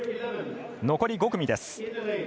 残り５組です。